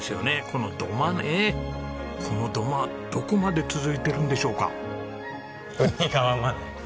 この土間どこまで続いてるんでしょうか？